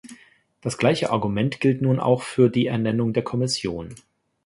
Das gleiche Argument gilt nun auch für die Ernennung der Kommission.